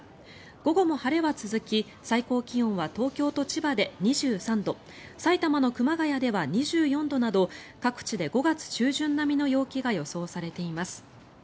午後も晴れは続き最高気温は東京と千葉で２３度埼玉の熊谷では２４度など各地で５月中旬並みの陽気が予想されています。